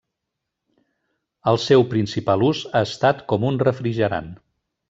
El seu principal ús ha estat com un refrigerant.